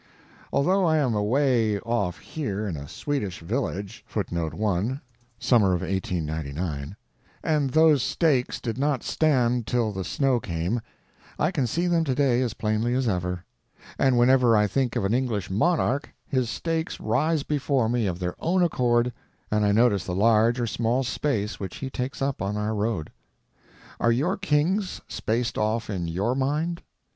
Although I am away off here in a Swedish village and those stakes did not stand till the snow came, I can see them today as plainly as ever; and whenever I think of an English monarch his stakes rise before me of their own accord and I notice the large or small space which he takes up on our road. Are your kings spaced off in your mind?